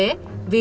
trên thực tế